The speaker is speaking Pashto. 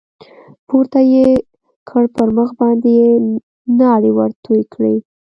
پورته يې كړ پر مخ باندې يې ناړې ورتو کړې.